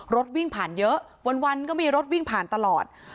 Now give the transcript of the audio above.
รถวิ่งผ่านเยอะวันก็มีรถวิ่งผ่านตลอด